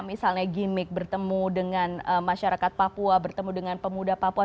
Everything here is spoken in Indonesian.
misalnya gimmick bertemu dengan masyarakat papua bertemu dengan pemuda papua